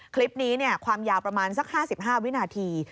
คลิปนี้ความยาวประมาณสัก๕๕วินาที